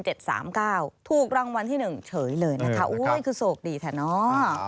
ถูกรางวัลที่๑เฉยเลยนะคะโอ๊ยคือโศกดีแท้เนอะ